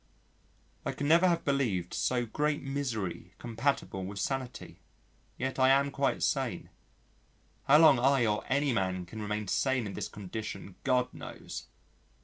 I could never have believed so great misery compatible with sanity. Yet I am quite sane. How long I or any man can remain sane in this condition God knows....